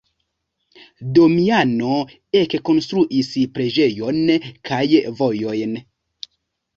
Damiano ekkonstruis preĝejon kaj vojojn.